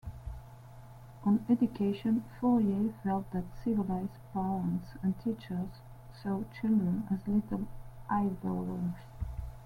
On education, Fourier felt that "civilized" parents and teachers saw children as little idlers.